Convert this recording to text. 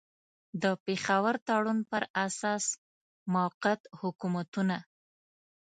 د پېښور تړون پر اساس موقت حکومتونه.